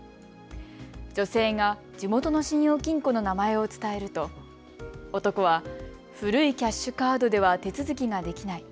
女性が地元の信用金庫の名前を伝えると男は古いキャッシュカードでは手続きができない。